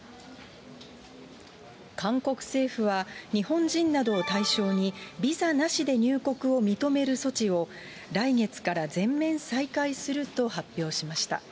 韓国政府は日本人などを対象に、ビザなしで入国を認める措置を、来月から全面再開すると発表しました。